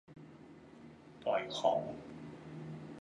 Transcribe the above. ปล่อยของ